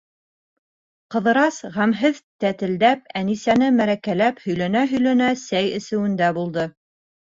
Ҡыҙырас, ғәмһеҙ тәтелдәп, Әнисәне мәрәкәләп һөйләнә-һөйләнә, сәй әсеүендә булды.